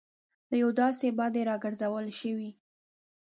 له یوې داسې بدۍ راګرځول شوي.